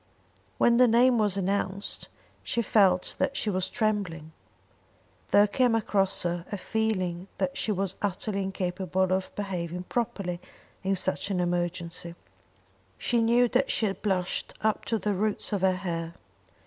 When the name was announced she felt that she was trembling. There came across her a feeling that she was utterly incapable of behaving properly in such an emergency. She knew that she blushed up to the roots of her hair.